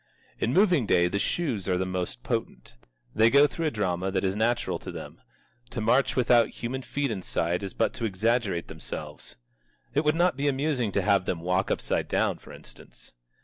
In Moving Day the shoes are the most potent. They go through a drama that is natural to them. To march without human feet inside is but to exaggerate themselves. It would not be amusing to have them walk upside down, for instance.